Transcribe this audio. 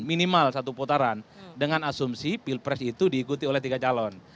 minimal satu putaran dengan asumsi pilpres itu diikuti oleh tiga calon